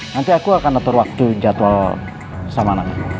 nanti aku akan atur waktu jadwal sama anak